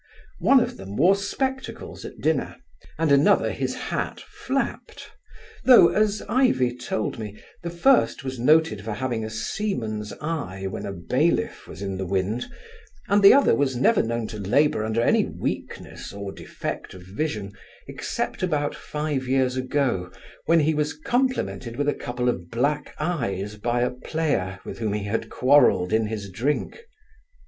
One of them wore spectacles at dinner, and another his hat flapped; though (as Ivy told me) the first was noted for having a seaman's eye, when a bailiff was in the wind; and the other was never known to labour under any weakness or defect of vision, except about five years ago, when he was complimented with a couple of black eyes by a player, with whom he had quarrelled in his drink.